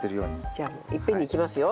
じゃあいっぺんにいきますよ。